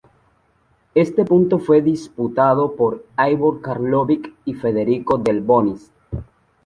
Este punto fue disputado por Ivo Karlovic y Federico Delbonis.